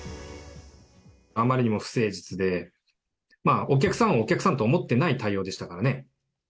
あまりにも不誠実で、お客様を、お客様と思ってないような対応でしたからね。